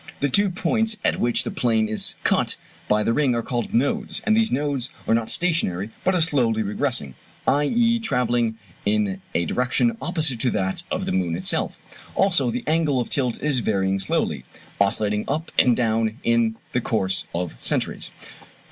The two points at which the plane is cut by the ring are called "nodes"; and these nodes are not stationary, but are slowly regressing, i.e. travelling in a direction opposite to that of the moon itself. Also the angle of tilt is varying slowly, oscillating up and down in the course of centuries.